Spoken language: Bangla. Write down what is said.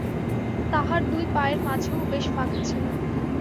তাঁদের দুই পায়ের মাঝেও বেশ ফাঁক ছিল।